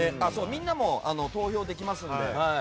みんなも投票できますので。